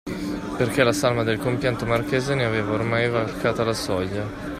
Perché la salma del compianto marchese ne aveva ormai varcata la soglia